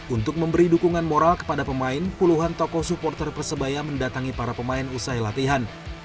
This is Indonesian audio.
untuk memberi dukungan moral kepada pemain puluhan tokoh supporter persebaya mendatangi para pemain usai latihan